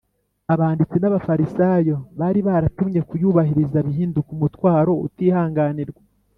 Abanditsi n’Abafarisayo bari baratumye kuyubahiriza bihinduka umutwaro utihanganirwa.